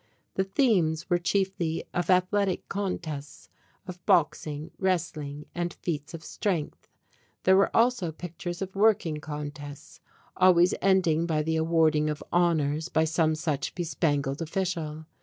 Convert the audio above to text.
The themes were chiefly of athletic contests, of boxing, wrestling and feats of strength. There were also pictures of working contests, always ending by the awarding of honours by some much bespangled official.